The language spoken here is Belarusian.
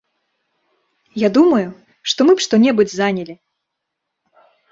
Я думаю, што мы б што-небудзь занялі.